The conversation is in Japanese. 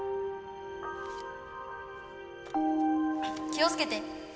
気をつけて。